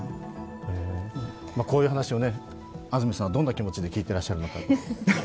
こういう話を安住さん、どんな気持ちで聞いていらっしゃるのか。